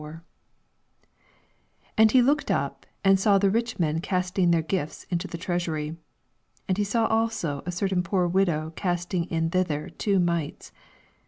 1 And he looked np^ and saw the lloh men castiiig their gifts into the treasury. 2 And he saw also a certain poor widow casting in thither two mites.